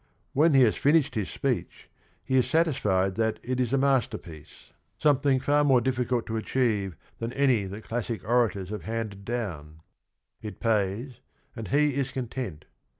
When he has finished his speech, he is satisfied that it is a masterpiece, something far more difficult to achieve than any that classic orators have handed down; it pays, and he is content.